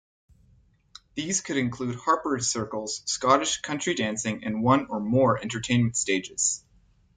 These could include harpers' circles, Scottish country dancing, and one or more entertainment stages.